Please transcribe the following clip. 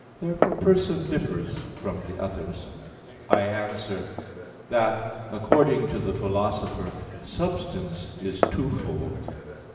Therefore person differs from the others. I answer that, According to the Philosopher (Metaph. v), substance is twofold.